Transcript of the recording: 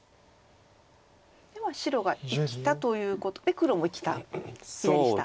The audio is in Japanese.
白が生きたということで黒も生きた左下。